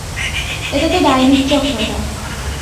এটা তো ডাইনির চক্র টা।